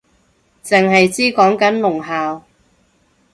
剩係知講緊聾校